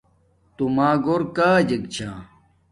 توما گھور کاجک چھا